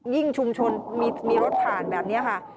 ชุมชนมีรถผ่านแบบนี้ค่ะ